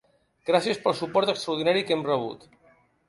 Gràcies pel suport extraordinari que hem rebut.